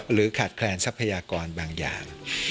หรือขาดแคลร์ซัพพยากรบางอย่าง